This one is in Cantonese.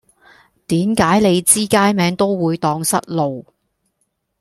點解你知街名都會盪失路